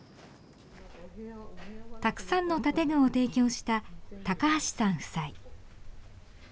たくさんの建具を提供した橋さん夫妻。